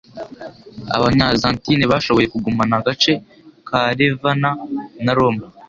Abanya zantine bashoboye kugumana agace ka Ravenna na Roma,